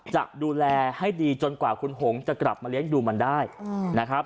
จะดูแลให้ดีจนกว่าคุณหงษ์จะกลับมาเลี้ยงดูมันได้นะครับ